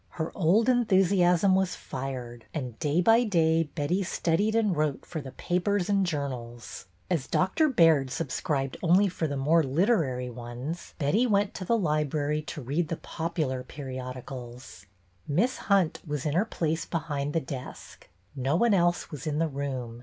Her old enthusiasm was fired, and day by day Betty studied and wrote for the papers and jour nals. As Dr. Baird subscribed only for the more MISS HUNT'S LOVER 193 literary ones, Betty went to the library to read the popular periodicals. Miss Hunt was in her place behind the desk. No one else was in the room.